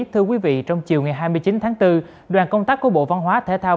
thưa quý vị trong chiều ngày hai mươi chín tháng bốn đoàn công tác của bộ văn hóa thể thao